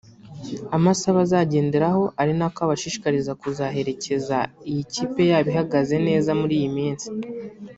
amasaha bazagenderaho ari nako abashishikariza kuzaherekeza iyi kipe yabo ihagaze neza muri iyi minsi